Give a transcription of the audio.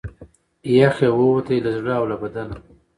یخ یې ووتی له زړه او له بدنه